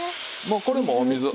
もうこれもお水。